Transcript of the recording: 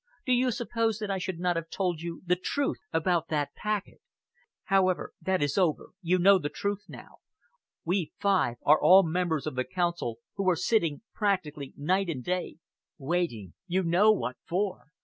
Do you suppose that I should not have told you the truth about that packet? However, that is over. You know the truth now. We five are all members of the Council who are sitting practically night and day, waiting you know what for.